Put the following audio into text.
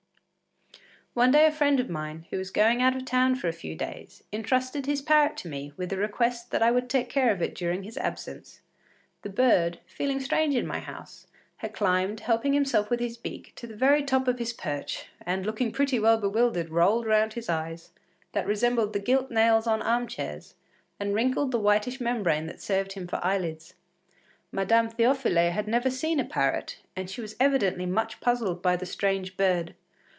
One day a friend of mine, who was going out of town for a few days, intrusted his parrot to me with the request that I would take care of it during his absence. The bird, feeling strange in my house, had climbed, helping himself with his beak, to the very top of his perch, and looking pretty well bewildered, rolled round his eyes, that resembled the gilt nails on arm chairs, and wrinkled the whitish membrane that served him for eyelids. Madame Théophile had never seen a parrot, and she was evidently much puzzled by the strange bird.